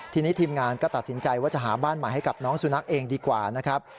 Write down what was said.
ทีนี้ทีมงานก็ตัดสินใจว่าจะหาบ้านใหม่ให้กับน้องสุนัขเองดีกว่านะครับ